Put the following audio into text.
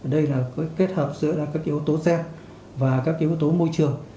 đây là kết hợp giữa các yếu tố xe và các yếu tố môi trường